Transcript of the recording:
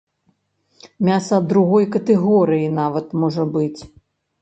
Мяса другой катэгорыі нават можа быць.